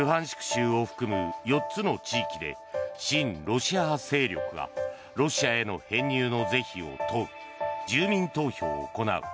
州を含む４つの地域で親ロシア派勢力がロシアへの編入の是非を問う住民投票を行う。